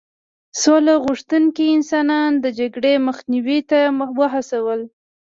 سوله غوښتونکي کسان د جګړې مخنیوي ته وهڅول.